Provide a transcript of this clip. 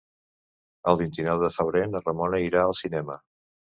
El vint-i-nou de febrer na Ramona irà al cinema.